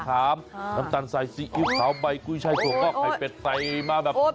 มะขามน้ำตาลใส่ซีอิ๊วสาวใบกุ้ยช่ายสวงก็ไข่เป็ดใสมาแบบนั้น